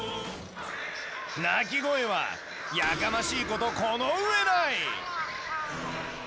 鳴き声は、やかましいことこの上ない。